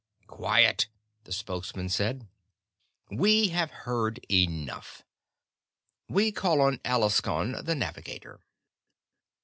"Quiet!" the Spokesman said. "We have heard enough. We call on Alaskon the Navigator."